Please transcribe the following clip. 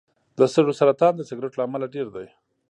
د سږو سرطان د سګرټو له امله ډېر دی.